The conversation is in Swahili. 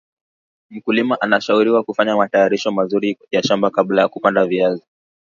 mkulima anashauriwa kufanya matayarisho mazuri ya shamba kabla ya kupanda viazi